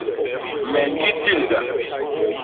Me ñgi tilga.